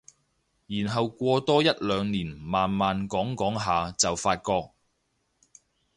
然後過多一兩年慢慢講講下就發覺